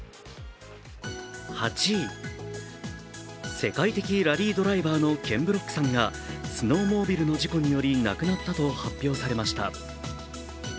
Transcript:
世界的ラリードライバーのケン・ブロックさんがスノーモビルの事故により亡くなったと発表されました。